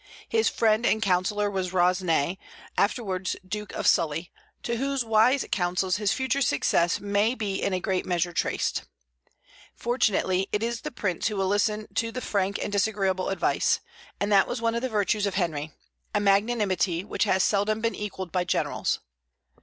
His friend and counsellor was Rosny, afterwards Duke of Sully, to whose wise counsels his future success may be in a great measure traced. Fortunate is the prince who will listen to frank and disagreeable advice; and that was one of the virtues of Henry, a magnanimity which has seldom been equalled by generals.